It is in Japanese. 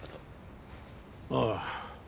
ああ。